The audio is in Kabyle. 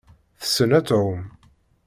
Tessen ad tεumm.